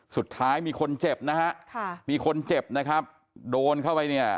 สุดท้ายมีคนเจ็บนะครับโดนเข้าไปเนี่ย